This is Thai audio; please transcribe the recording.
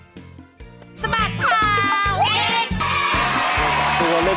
สมัครเท่าเด็ก